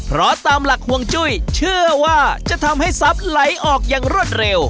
เพราะตามหลักห่วงจุ้ยเชื่อว่าจะทำให้ทรัพย์ไหลออกอย่างรวดเร็ว